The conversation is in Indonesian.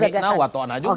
koalisi samik nawatona juga